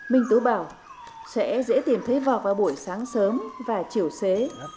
minh tứ bảo sẽ dễ tìm thấy vọt vào buổi sáng sớm và chiều xế